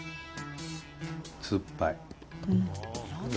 すっぱい。